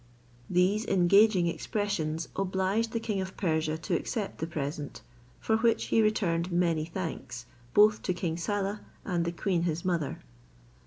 These engaging expressions obliged the king of Persia to accept the present, for which he returned many thanks both to King Saleh and the queen his mother.